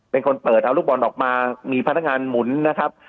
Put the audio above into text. เป็นคนเปิดเอาลูกบอลออกมามีพนักงานหมุนนะครับ